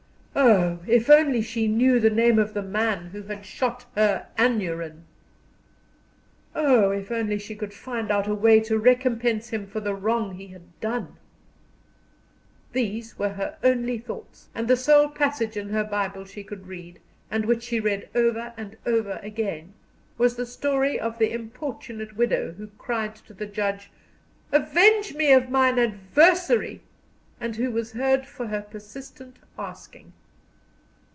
Oh! if only she knew the name of the man who had shot her Aneurin! Oh! if only she could find out a way to recompense him for the wrong he had done! These were her only thoughts. And the sole passage in her Bible she could read, and which she read over and over again, was the story of the Importunate Widow who cried to the judge, "Avenge me of mine adversary!" and who was heard for her persistent asking.